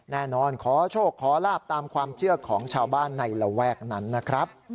ขอโชคขอลาบตามความเชื่อของชาวบ้านในระแวกนั้นนะครับ